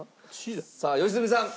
さあ良純さん。